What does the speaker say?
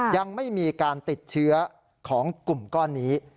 ยังไม่มีการติดเชื้อของกลุ่มก้อนนี้